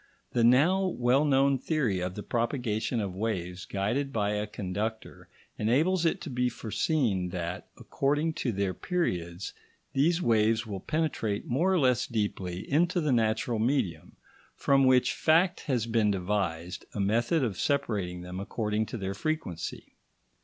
The now well known theory of the propagation of waves guided by a conductor enables it to be foreseen that, according to their periods, these waves will penetrate more or less deeply into the natural medium, from which fact has been devised a method of separating them according to their frequency.